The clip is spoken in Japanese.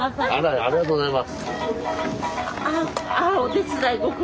ありがとうございます。